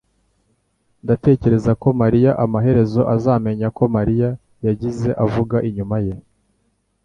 Ndatekereza ko mariya amaherezo azamenya ko Mariya yagiye avuga inyuma ye